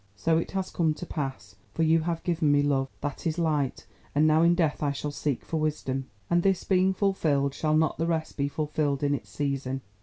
So it has come to pass, for you have given me love—that is light; and now in death I shall seek for wisdom. And this being fulfilled, shall not the rest be fulfilled in its season?